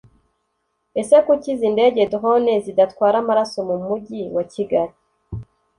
Ese kuki izi ndege (Drones) zidatwara amaraso mu mujyi wa Kigali